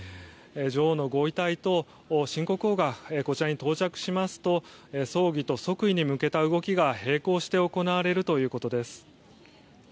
女王のご遺体と新国王がこちらに到着しますと葬儀と即位に向けた動きが並行して行われるということです。